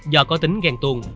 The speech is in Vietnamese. do có tính ghen tuồn